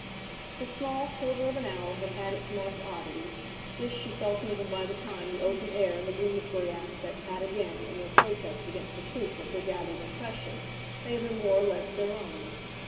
The small quarter of an hour had had its marked oddity this she felt even by the time the open air and the Bloomsbury aspects had again, in their protest against the truth of her gathered impression, made her more or less their own.